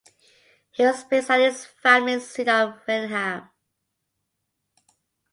He was based at his family seat of Raynham.